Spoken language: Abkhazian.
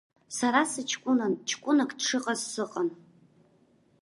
Сара сыҷкәынан, ҷкәынак дшыҟаз сыҟан.